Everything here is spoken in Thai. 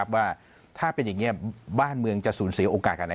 ว่าถ้าเป็นอย่างนี้บ้านเมืองจะสูญเสียโอกาสอะไร